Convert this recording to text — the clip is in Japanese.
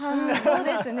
そうですね